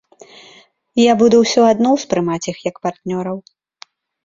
Я буду ўсё адно ўспрымаць іх як партнёраў.